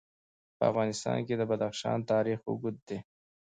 په افغانستان کې د بدخشان تاریخ اوږد دی.